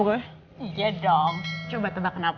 gue iya dong coba tebak kenapa